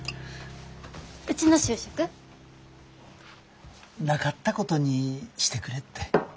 うちの就職？なかったことにしてくれって。